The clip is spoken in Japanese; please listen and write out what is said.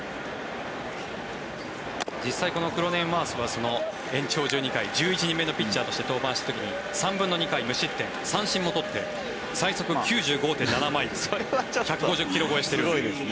実際このクロネンワースは延長１２回、１１人目のピッチャーとして登板して３分の２回、無失点三振も取って最速９５．７マイル１５０ｋｍ超えしている。